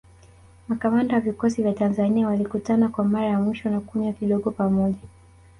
Makamanda wa vikosi vya Tanzania walikutana kwa mara ya mwisho na kunywa kidogo pamoja